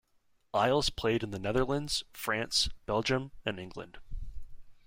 Aisles played in the Netherlands, France, Belgium and England.